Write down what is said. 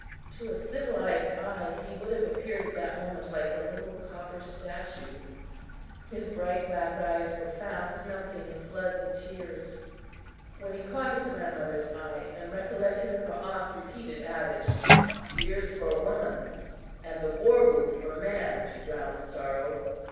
To a civilized eye, he would have appeared at that moment like a little copper statue. His bright black eyes were fast melting in floods of tears, when he caught his grandmother's eye and recollected her oft repeated adage: "Tears for woman and the war whoop for man to drown sorrow!"